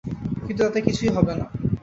কিন্তু তাতে কিছুই হবে না।